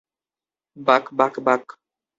বাক, বাক, বাক!